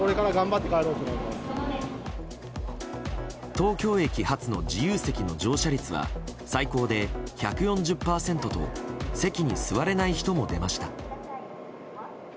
東京駅発の自由席の乗車率は最高で１４０％と席に座れない人もでました。